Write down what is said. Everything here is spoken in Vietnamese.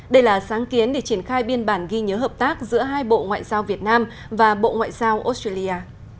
đây là sáng kiến để triển khai biên bản ghi nhớ hợp tác giữa hai bộ ngoại giao việt nam và bộ ngoại giao australia